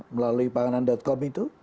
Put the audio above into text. melalui panganan com itu